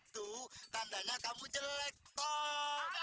tuh tandanya kamu jelek toh